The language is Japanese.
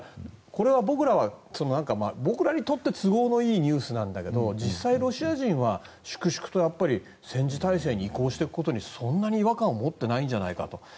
これは僕らにとって都合のいいニュースなんだけど実際、ロシア人は粛々と戦時体制に移行していくことにそんなに違和感を持っていないんじゃないかと。